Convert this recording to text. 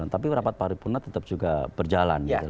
tapi rapat paripurna tetap juga berjalan